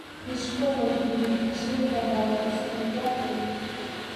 عشق و مزدوریِ عشر تگہِ خسرو‘ کیا خوب!